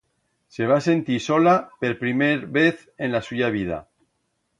Se va sentir sola per primer vez en la suya vida.